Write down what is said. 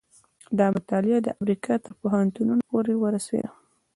دا مطالعه د امریکا تر پوهنتونونو پورې ورسېده.